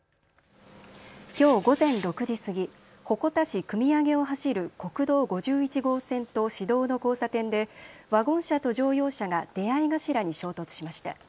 きょう午前６時過ぎ鉾田市汲上を走る国道５１号線と市道の交差点でワゴン車と乗用車が出合い頭に衝突しました。